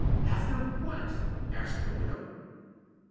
"After what?" asked the widow.